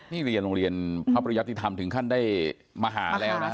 นี่เรียนโรงเรียนพระประยัติธรรมถึงขั้นได้มาหาแล้วนะฮะ